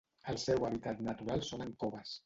El seu hàbitat natural són en coves.